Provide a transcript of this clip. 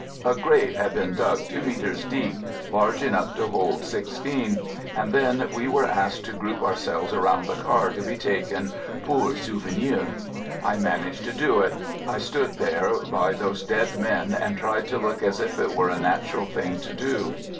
A grave had been dug two metres deep, large enough to hold sixteen, and then we were asked to group ourselves around the car to be taken "pour sou venir." I managed to do it. I stood there by those dead men and tried to look as if it were a natural thing to do.